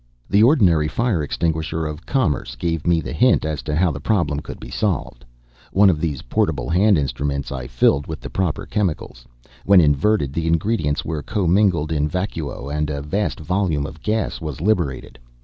The ordinary fire extinguisher of commerce gave me the hint as to how the problem could be solved. One of these portable hand instruments I filled with the proper chemicals. When inverted, the ingredients were commingled in vacuo and a vast volume of gas was liberated.